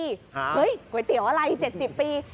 เฮ้ยก๋วยเตี๋ยวอะไร๗๐ปี